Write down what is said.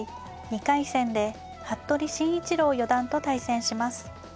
２回戦で服部慎一郎四段と対戦します。